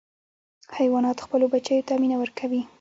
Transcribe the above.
حیوانات خپلو بچیو ته مینه ورکوي.